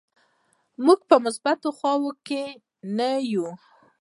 موږ په مثبتو خواو کې نه یو.